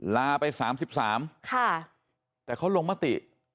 ลาไป๓๓แต่เขาลงมติ